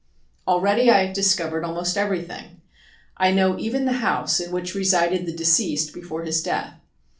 Already I have discovered almost everything. I know even the house in which resided the deceased before his death.